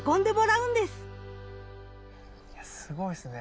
いやすごいっすね。